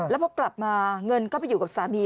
แล้วพอกลับมาเงินก็ไปอยู่กับสามี